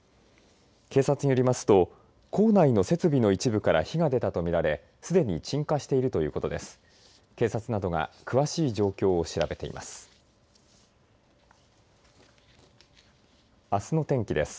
警察によりますと、構内の設備の一部から火が出たと見られ、すでに鎮火しているということです。